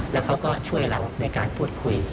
แล้วเขาก็ช่วยเราในการพูดคุย